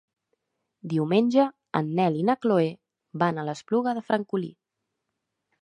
Diumenge en Nel i na Chloé van a l'Espluga de Francolí.